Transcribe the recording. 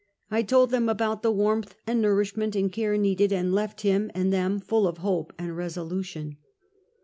I told them about the warmth and nourishment and care needed, and left him and them full of hope and resolution.